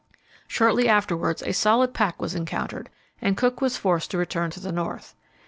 Shortly afterwards a solid pack was encountered, and Cook was forced to return to the north.